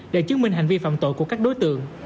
để chứng minh hành vi phạm tội của các đối tượng